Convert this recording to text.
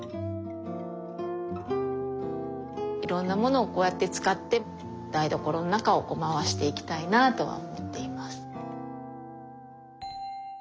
いろんなものをこうやって使って台所の中を回していきたいなとは思っています。